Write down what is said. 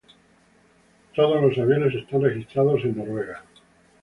Todos los aviones están registrados en Noruega.